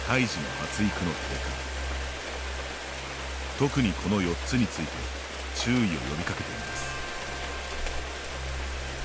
特に、この４つについて注意を呼びかけています。